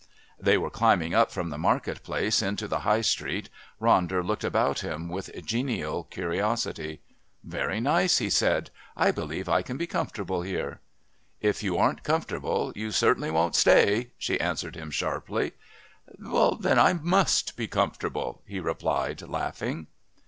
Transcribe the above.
They were climbing up from the market place into the High Street. Ronder looked about him with genial curiosity. "Very nice," he said; "I believe I can be comfortable here." "If you aren't comfortable you certainly won't stay," she answered him sharply. "Then I must be comfortable," he replied, laughing.